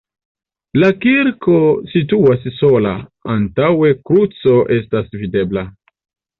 La kirko situas sola, antaŭe kruco estas videbla.